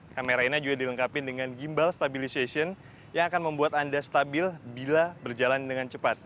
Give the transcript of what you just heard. kamera ini juga dilengkapi dengan gimbal stabilization yang akan membuat anda stabil bila berjalan dengan cepat